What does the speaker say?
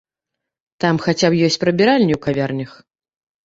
Там хаця б ёсць прыбіральні ў кавярнях!